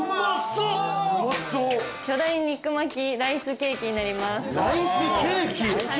巨大肉巻きライスケーキになります。